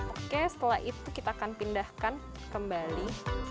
oke setelah itu kita akan pindahkan kembali